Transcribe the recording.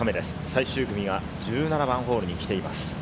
最終組が１７番ホールに来ています。